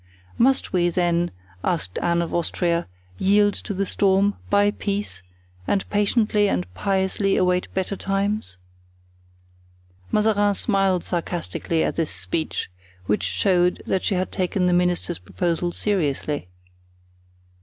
"Must we, then," asked Anne of Austria, "yield to the storm, buy peace, and patiently and piously await better times?" Mazarin smiled sarcastically at this speech, which showed that she had taken the minister's proposal seriously.